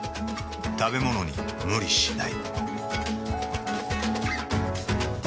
食べものに無理しない。